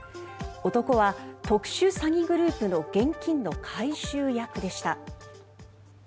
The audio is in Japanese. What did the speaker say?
男は特殊詐欺グループの現金の回収役でした。